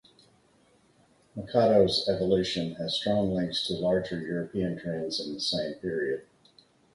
Machado's evolution has strong links to larger European trends in the same period.